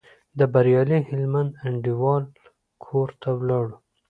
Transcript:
د بریالي هلمند انډیوال کور ته ولاړو.